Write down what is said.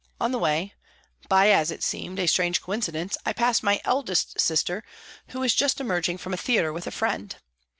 On the way, by as it seemed a strange coincidence, I passed my eldest sister, who was just emerging from a theatre with a friend.